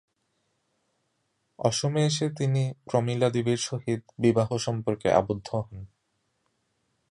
অসমে এসে তিনি প্রমিলা দেবীর সহিত বিবাহ সম্পর্কে আবদ্ধ হন।